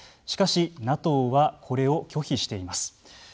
しかし、ＮＡＴＯはこれを拒否しています。